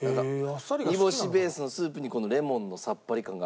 煮干しベースのスープにこのレモンのさっぱり感が合うと。